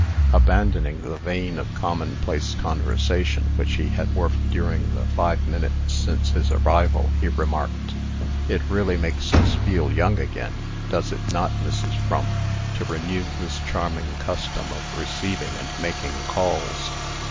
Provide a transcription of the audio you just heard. Abandoning the vein of commonplace conversation which he had worked during the five minutes since his arrival, he remarked: "It really makes us feel young again does it not, Mrs. Frump? to renew this charming custom of receiving and making calls."